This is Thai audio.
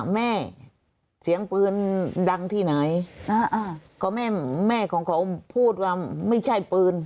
แม่เสียงปืนดังที่ไหนก็แม่แม่ของเขาพูดว่าไม่ใช่ปืน